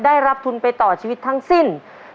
ได้รับทุนไปต่อชีวิตทั้งสิ้น